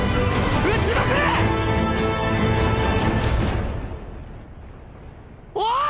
撃ちまくれ‼おい！